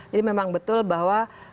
jadi memang betul bahwa